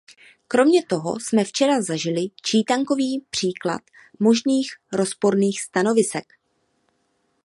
Kromě toho jsme včera zažili čítankový příklad možných rozporných stanovisek.